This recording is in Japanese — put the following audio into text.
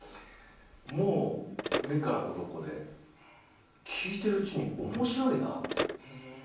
もう、目からうろこで、聞いているうちに面白いなって。